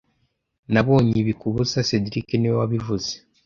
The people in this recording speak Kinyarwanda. Nabonye ibi kubusa cedric niwe wabivuze